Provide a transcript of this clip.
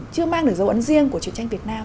chưa mang được dấu ấn riêng của chuyện tranh việt nam